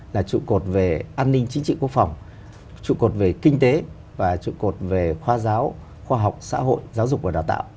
là trụ cột về an ninh chính trị quốc phòng trụ cột về kinh tế và trụ cột về khoa giáo khoa học xã hội giáo dục và đào tạo